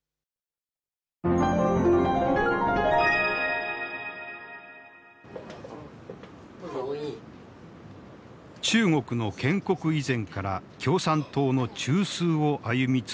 中国の建国以前から共産党の中枢を歩み続けた百寿の男。